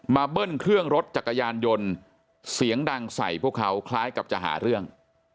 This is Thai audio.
เบิ้ลเครื่องรถจักรยานยนต์เสียงดังใส่พวกเขาคล้ายกับจะหาเรื่อง